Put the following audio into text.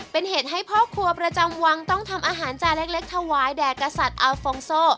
เป็นเหตุให้พ่อครัวประจำวังต้องทำอาหารจานเล็กถวายแด่กษัตริย์อัลฟองโซ